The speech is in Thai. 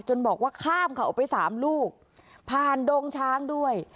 บอกว่าข้ามเขาไปสามลูกผ่านดงช้างด้วย